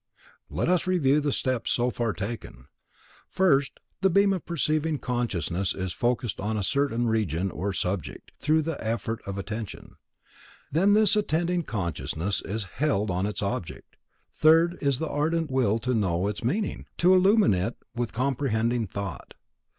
Let us review the steps so far taken. First, the beam of perceiving consciousness is focussed on a certain region or subject, through the effort of attention. Then this attending consciousness is held on its object. Third, there is the ardent will to know its meaning, to illumine it with comprehending thought.